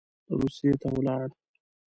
روسیې ته ولاړ.